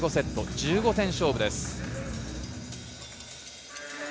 １５点勝負です。